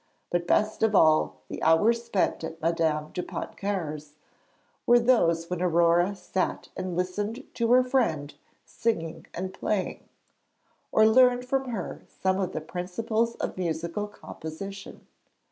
But best of all the hours spent at Madame de Pontcarré's were those when Aurore sat and listened to her friend singing and playing, or learned from her some of the principles of musical composition.